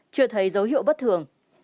chưa thấy dấu hiệu bất thường